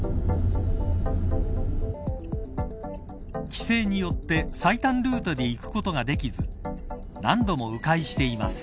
規制によって最短ルートで行くことができず何度も迂回しています。